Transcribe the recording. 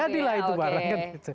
jadilah itu barangnya